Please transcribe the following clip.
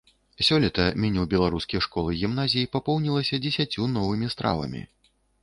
Сёлета меню беларускіх школ і гімназій папоўнілася дзесяццю новымі стравамі.